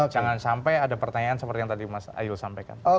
jangan sampai ada pertanyaan seperti yang tadi mas ayu sampaikan